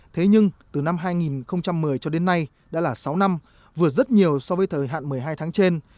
thế nhưng từ năm hai nghìn một mươi cho đến nay đã là sáu năm vừa rất nhiều so với thời hạn một mươi hai tháng trên